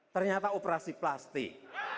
ternyata operasi plastik